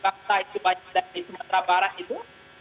dari sumatera barat itu